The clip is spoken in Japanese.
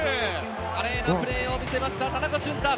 華麗なプレーを見せました田中俊太。